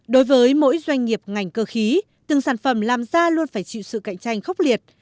đối với mỗi doanh nghiệp ngành cơ khí từng sản phẩm làm ra luôn phải chịu sự cạnh tranh khốc liệt